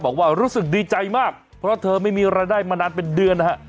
บอกว่ารู้สึกดีใจมากเพราะเธอไม่มีรายได้มานานเป็นเดือนนะฮะ